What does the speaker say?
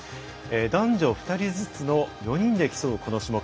男女２人ずつの４人で競う、この種目。